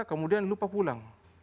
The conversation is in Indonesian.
kemudian lupa pulang